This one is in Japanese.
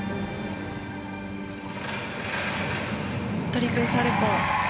トリプルサルコウ。